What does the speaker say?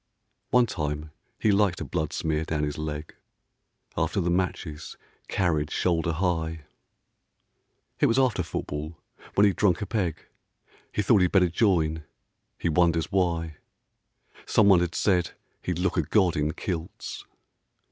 One time he liked a bloodsmear down his leg, After the matches carried shoulder high. 61 Disabled. It was after football, when he'd drunk a peg, He thought he'd better join. He wonders why. ... Someone had said he'd look a god in kilts.